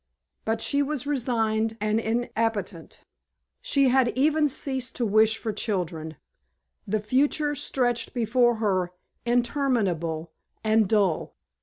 But she was resigned, and inappetent. She had even ceased to wish for children. The future stretched before her interminable and dull.